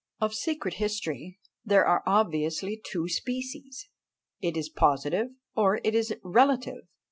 Of SECRET HISTORY there are obviously two species; it is positive, or it is relative.